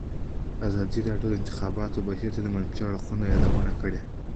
ازادي راډیو د د انتخاباتو بهیر د منفي اړخونو یادونه کړې.